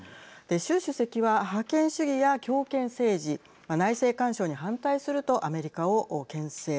習主席は覇権主義や強権政治内政干渉に反対するとアメリカをけん制。